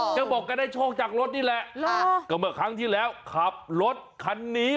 กฎบอกก็ได้โชคจากรถนี่แหละ